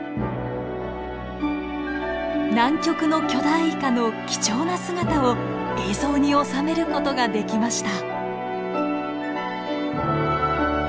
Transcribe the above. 南極の巨大イカの貴重な姿を映像に収める事ができました。